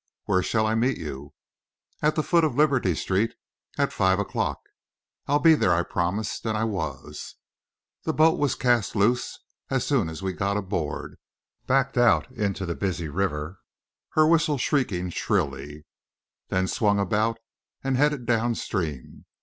"Where shall I meet you?" "At the foot of Liberty Street, at five o'clock." "I'll be there," I promised. And I was. The boat was cast loose as soon as we got aboard, backed out into the busy river, her whistle shrieking shrilly, then swung about and headed down stream.